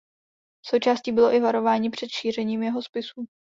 Součástí bylo i varování před šířením jeho spisů.